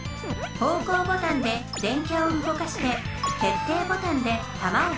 方向ボタンで電キャをうごかして決定ボタンでたまを発射。